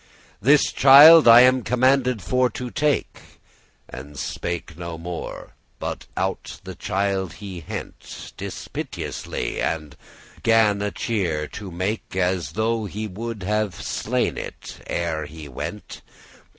"This child I am commanded for to take." And spake no more, but out the child he hent* *seized Dispiteously,* and gan a cheer to make *unpityingly show, aspect As though he would have slain it ere he went.